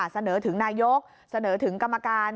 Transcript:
เสนอถึงนายกเสนอถึงกรรมการ